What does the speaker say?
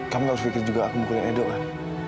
kamu nggak berpikir juga aku mukulnya edo kan